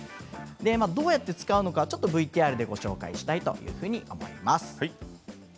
どうやって使うのかＶＴＲでご紹介したいと思います。